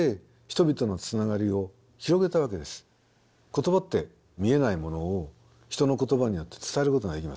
言葉って見えないものを人の言葉によって伝えることができますよね。